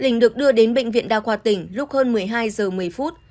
đình được đưa đến bệnh viện đa khoa tỉnh lúc hơn một mươi hai giờ một mươi phút